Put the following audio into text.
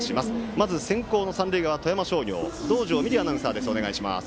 まず、先攻の三塁側、富山商業道上美璃アナウンサーお願いします。